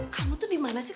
kamu tuh dimana sih